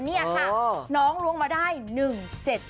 เนี่ยค่ะน้องลวงมาได้๑๗๔ค่ะ